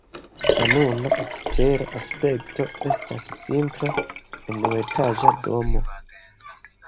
La nuna ekstera aspekto estas simpla unuetaĝa domo.